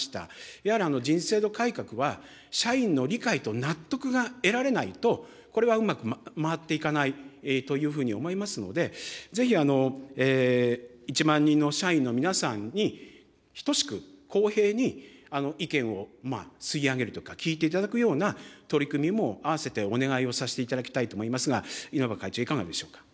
やはり人事制度改革は、社員の理解と納得が得られないと、これはうまく回っていかないというふうに思いますので、ぜひ１万人の社員の皆さんに、ひとしく公平に意見を吸い上げるというか、聞いていただくような取り組みも併せてお願いをさせていただきたいと思いますが、稲葉会長、いかがでしょうか。